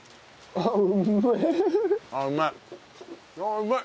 ああうまい！